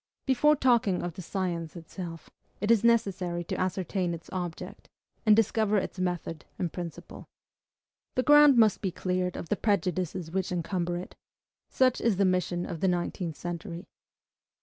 Before talking of the science itself, it is necessary to ascertain its object, and discover its method and principle. The ground must be cleared of the prejudices which encumber it. Such is the mission of the nineteenth century.